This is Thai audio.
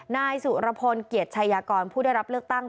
นายสุรพลเกียรติชายากรผู้ได้รับเลือกตั้ง